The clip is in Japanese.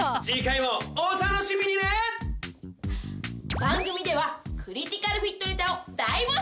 番組ではクリティカルフィットネタを大募集しています！